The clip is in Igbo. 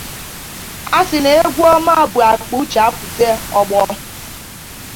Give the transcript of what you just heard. A sị na egwu ọma bu akpa uche apụta ọgbọ